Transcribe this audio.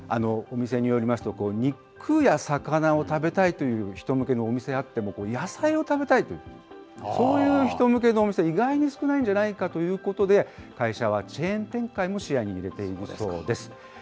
お店によりますと、肉や魚を食べたいという人向けのお店はあっても、野菜を食べたいという、そういう人向けのお店、意外に少ないんじゃないかということで、会社はチェーン展開も視野に入れているそうです。